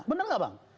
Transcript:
benar tidak bang